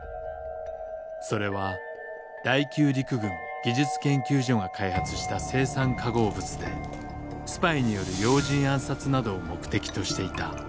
それは第九陸軍技術研究所が開発した青酸化合物でスパイによる要人暗殺などを目的としていた。